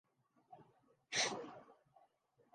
پاکستان کے آئین و قانون کے مطابق